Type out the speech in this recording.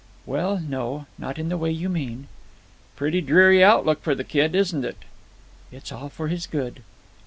"Well, no. Not in the way you mean." "Pretty dreary outlook for the kid, isn't it?" "It's all for his good."